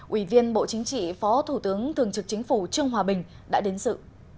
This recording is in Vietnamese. ủy viên bộ chính trị phó thủ tướng thường trực chính phủ trương hòa bình đã đến sự